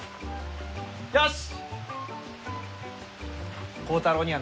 よし。